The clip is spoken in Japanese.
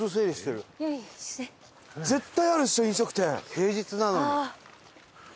平日なのに。